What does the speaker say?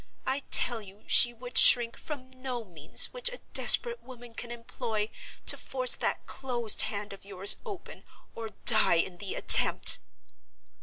I tell you she would shrink from no means which a desperate woman can employ to force that closed hand of yours open, or die in the attempt!"